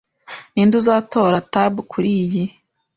Ninde uzatora tab kuriyi?